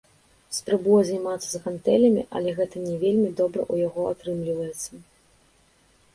Спрабуе займацца з гантэлямі, але гэта не вельмі добра ў яго атрымліваецца.